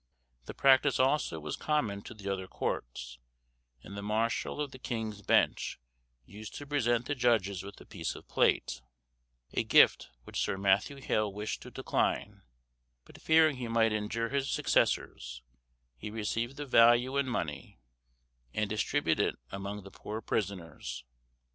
The practice also was common to the other courts; and the marshal of the King's Bench used to present the judges with a piece of plate, a gift which Sir Matthew Hale wished to decline, but fearing he might injure his successors, he received the value in money, and distributed it among the poor prisoners.